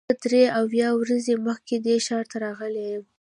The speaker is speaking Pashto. زه درې اویا ورځې مخکې دې ښار ته راغلی یم.